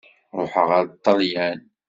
Ṛuḥeɣ ar Ṭelyan.